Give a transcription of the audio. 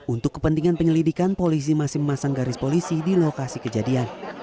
untuk kepentingan penyelidikan polisi masih memasang garis polisi di lokasi kejadian